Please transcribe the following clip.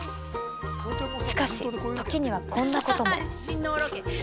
しかし、時にはこんなことも。